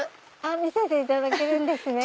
見せていただけるんですね。